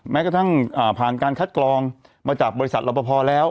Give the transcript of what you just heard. แม้กระทั่งผ่านการคัดกรองมาจากบริษัทรับประพอแล้ว